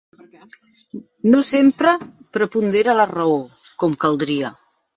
No sempre prepondera la raó, com caldria.